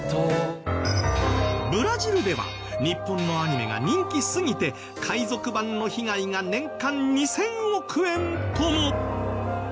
ブラジルでは日本のアニメが人気すぎて海賊版の被害が年間２０００億円とも。